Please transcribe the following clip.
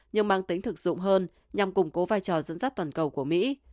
nhưng mang tính thực dụng hơn nhằm củng cố vai trò dẫn dắt toàn cầu của mỹ